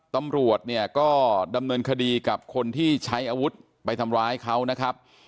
ตำรวจเนี่ยก็ดำเนินคดีกับคนที่ใช้อาวุธไปทำร้ายเขานะครับ